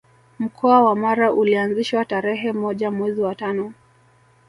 Mkoa wa Mara ulianzishwa tarerhe moja mwezi wa tano